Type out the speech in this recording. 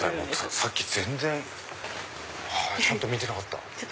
さっき全然ちゃんと見てなかった。